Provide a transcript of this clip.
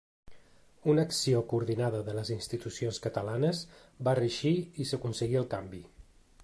Una acció coordinada de les institucions catalanes va reeixir i s’aconseguí el canvi.